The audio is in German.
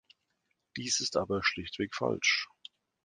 Dies ist aber schlichtweg falsch.